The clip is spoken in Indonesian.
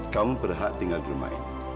kamu berhak tinggal di rumah ini